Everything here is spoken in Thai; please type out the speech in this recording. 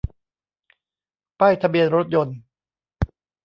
ป้ายทะเบียนรถยนต์